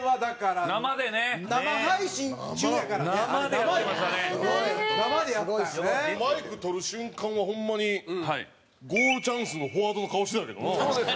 ケンコバ：マイク取る瞬間はホンマに、ゴールチャンスのフォワードの顔してたけどな。